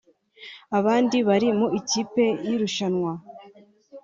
Abandi bari mu ikipe y’irushanwa ni